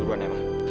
ini cantik banget sih